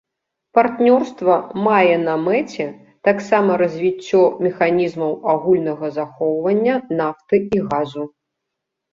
Партнёрства мае на мэце таксама развіццё механізмаў агульнага захоўвання нафты і газу.